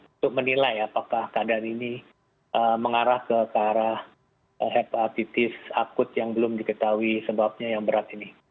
untuk menilai apakah keadaan ini mengarah ke arah hepatitis akut yang belum diketahui sebabnya yang berat ini